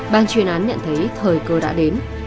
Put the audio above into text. ban chuyên án nhận thấy thời cơ đã đến